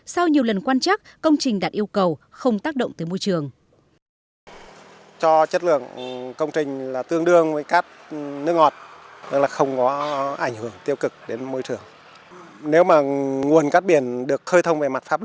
sau nhiều lần quan chắc công trình đạt yêu cầu không tác động tới môi trường